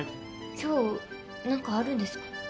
今日何かあるんですか？